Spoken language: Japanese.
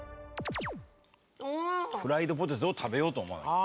フライドポテトを食べようと思わなきゃ。